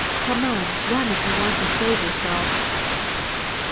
Come on run, if you want to save yourself!"